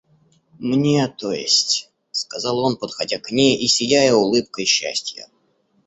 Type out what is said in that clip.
Мне, то есть, — сказал он, подходя к ней и сияя улыбкой счастья.